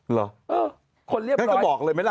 เหรอคนเรียบร้อยงั้นก็บอกเลยไหมล่ะ